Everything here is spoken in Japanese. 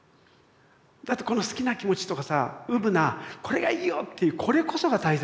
だってこの好きな気持ちとかさ初心なこれがいいよっていうこれこそが大切で。